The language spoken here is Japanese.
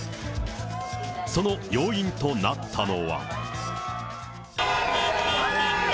その要因となったのは。